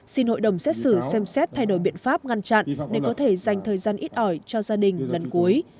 xin hội đồng xét xử xem xét thay đổi biện pháp ngăn chặn để có thể dành thời gian ít ỏi cho gia đình lần cuối